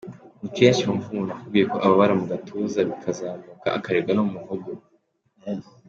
Ni kenshi wumva umuntu akubwiye ko ababara mu gatuza , bikazamuka akaribwa no mu muhogo.